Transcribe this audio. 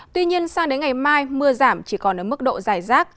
tuy nhiên sang đến ngày mai mưa giảm chỉ còn ở mức độ dài rác